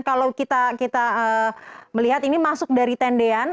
kalau kita melihat ini masuk dari tendean